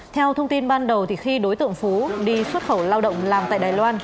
theo thông tin ban đầu khi đối tượng phú đi xuất khẩu lao động làm tại đài loan